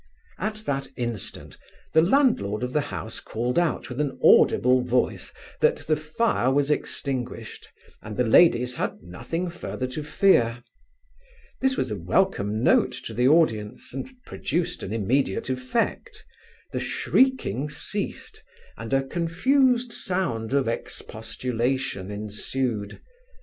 At that instant, the landlord of the house called out with an audible voice, that the fire was extinguished, and the ladies had nothing further to fear: this was a welcome note to the audience, and produced an immediate effect; the shrieking ceased, and a confused sound of expostulation ensued.